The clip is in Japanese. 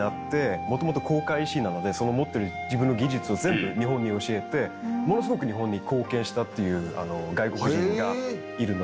もともと航海士なのでその持ってる自分の技術を全部日本に教えてものすごく日本に貢献したっていう外国人がいるので。